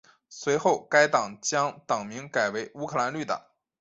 随后该党将党名改为乌克兰绿党。